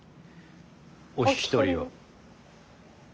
お引き取りを。